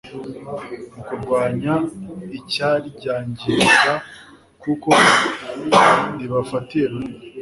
mu kurwanya icyaryangiriza kuko ribafatiye runini.